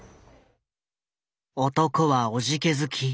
男はおじけづき